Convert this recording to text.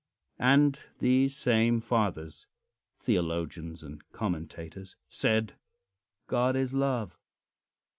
And these same fathers theologians and commentators said: "God is love."